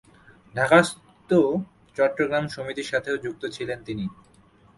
ঢাকাস্থ চট্টগ্রাম সমিতির সাথেও যুক্ত ছিলেন তিনি।